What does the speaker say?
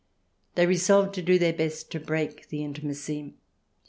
They resolved to do their best to break the intimacy.